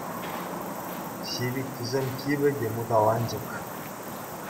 Ҫивиттисем кивӗ те муталанчӑк.